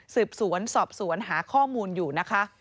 สืบสวนสอบสวนหาข้อมูลอยู่นะคะ